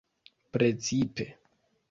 precipe